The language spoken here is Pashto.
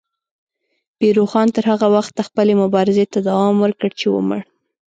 پیر روښان تر هغه وخته خپلې مبارزې ته دوام ورکړ چې ومړ.